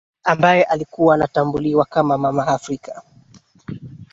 ambaye alikuwa anatambuliwa kama mama afrika